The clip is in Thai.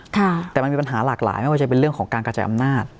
แต่มันมีปัญหาหลากหลายไม่ว่าจะเป็นเรื่องของการกระจายอำนาจ